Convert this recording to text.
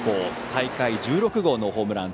大会１６号のホームラン。